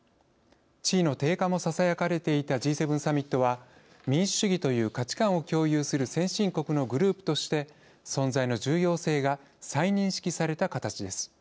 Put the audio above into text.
地位の低下もささやかれていたＧ７サミットは民主主義という価値観を共有する先進国のグループとして存在の重要性が再認識された形です。